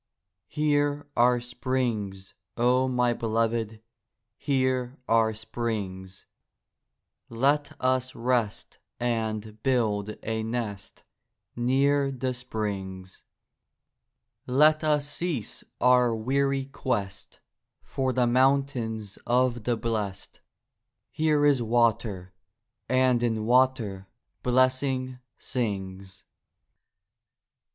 Here are springs, O my beloved. Here are springs; Let us rest and build a nest Near the springs; Let us cease our weary quest For the mountains of the blest; Here is water, and in water Blessing sings.